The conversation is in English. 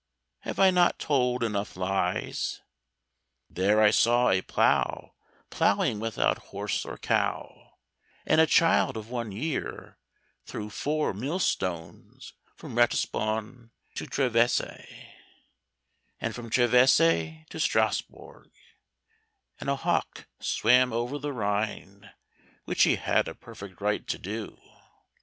Have I not told enough lies? There I saw a plough ploughing without horse or cow, and a child of one year threw four millstones from Ratisbon to Treves, and from Treves to Strasburg, and a hawk swam over the Rhine, which he had a perfect right to do.